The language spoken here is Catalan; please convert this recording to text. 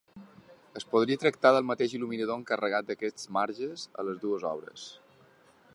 Es podria tractar del mateix il·luminador encarregat d'aquests marges a les dues obres.